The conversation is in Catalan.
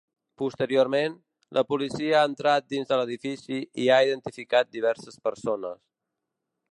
Posteriorment, la policia ha entrat dins de l’edifici i ha identificat diverses persones.